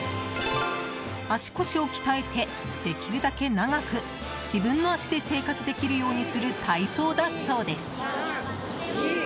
足腰を鍛えて、できるだけ長く自分の足で生活できるようにする体操だそうです。